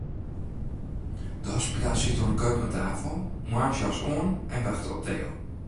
De hospita siet oan 'e keukenstafel, moarnsjas oan, en wachte op Theo.